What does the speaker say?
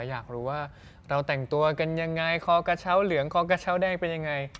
อยากรู้ว่าเราแต่งตัวกันยังไงคอกระเช้าเหลืองคอกระเช้าแดงเป็นยังไง